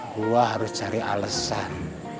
gua harus cari alesan